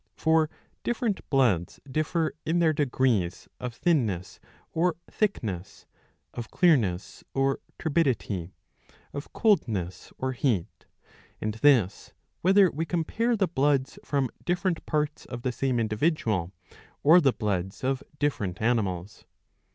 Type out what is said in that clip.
For different bloods differ in their degrees of thinness or thickness, of clearness or turbidity, of coldness or heat ; and this whether we compare the bloods from different parts of the same individual or the bloods of different animals.